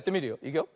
いくよ。